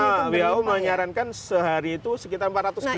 karena who menyarankan sehari itu sekitar empat ratus gram buah dan sayur